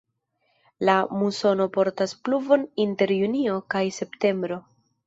La musono portas pluvon inter junio kaj septembro.